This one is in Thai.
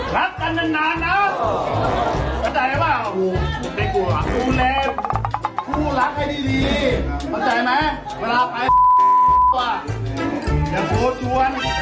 รักกันนานนะเข้าใจไหมว่าไม่กลัวผู้รักให้ดีเข้าใจไหมเวลาไปไอ้ว่ะ